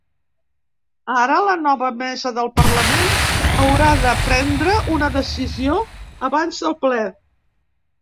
Ara la nova mesa del parlament haurà de prendre una decisió abans del ple.